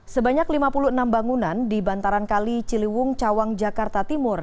sebanyak lima puluh enam bangunan di bantaran kali ciliwung cawang jakarta timur